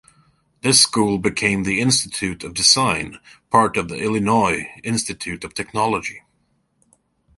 This school became the Institute of Design, part of the Illinois Institute of Technology.